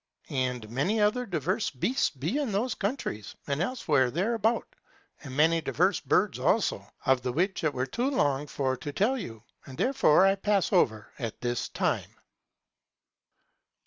And many other diverse beasts be in those countries, and elsewhere there about, and many diverse birds also, of the which it were too long for to tell you. And therefore, I pass over at this time.